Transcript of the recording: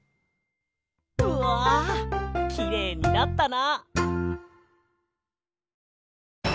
うわきれいになったな！